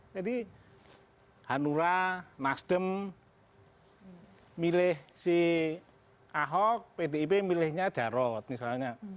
hanura nasdem milih si ahok pdip milihnya jarod misalnya